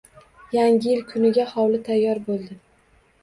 Yangi yil kuniga hovli tayyor bo`ldi